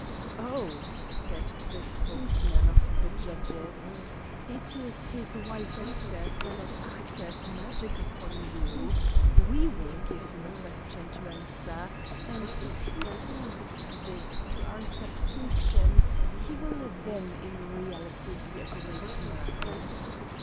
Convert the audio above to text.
"Oh," said the spokesman of the judges, "it is his wise answers that act as magic upon you? We will give him a question to answer, and if he solves this to our satisfaction, he will then in reality be a great man."